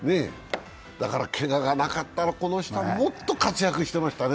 だから、けががなかったら、この人はもっと活躍してましたね